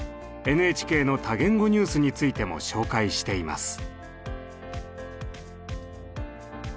ＮＨＫの多言語ニュースについても紹介しています。